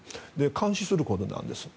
監視することなんです。